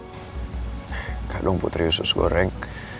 enggak dong putri susgoreng